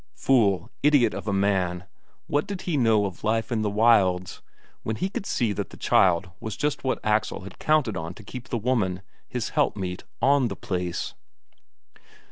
Fool, idiot of a man what did he know of life in the wilds, when he could see that the child was just what Axel had counted on to keep the woman, his helpmeet, on the place!